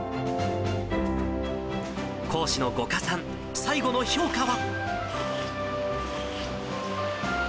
講師の五箇さん、最後の評価は。